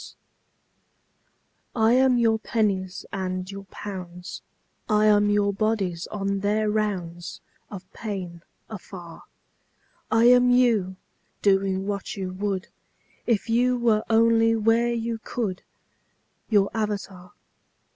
188 AUXILIARIES I am your pennies and your pounds; I am your bodies on their rounds Of pain afar; I am you, doing what you would If you were only where you could —■ Your avatar.